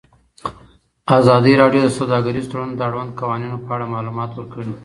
ازادي راډیو د سوداګریز تړونونه د اړونده قوانینو په اړه معلومات ورکړي.